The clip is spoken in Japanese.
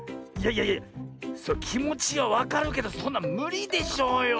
いやいやきもちはわかるけどそんなんむりでしょうよ。